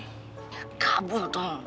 ya kabur dong